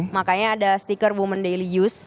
makanya ada stiker women daily use